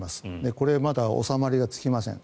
これ、まだ収まりがつきません。